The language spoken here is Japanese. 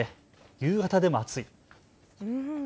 夕方でも暑い。